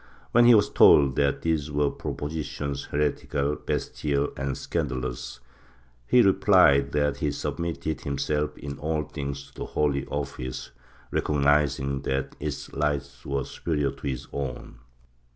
When he was told that these were propositions heretical, bestial and scandalous, he replied that he submitted himself in all things to the Holy Office, recognizing that its lights were superior to his own.